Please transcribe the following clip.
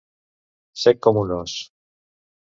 Sec com un os.